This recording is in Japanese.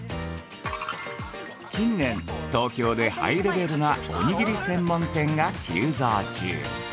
◆近年、東京でハイレベルなおにぎり専門店が急増中！